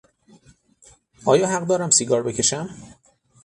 آیا حق دارم سیگار بکشم؟